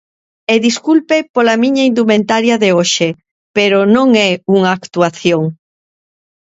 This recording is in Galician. E desculpe pola miña indumentaria de hoxe, pero non é unha actuación.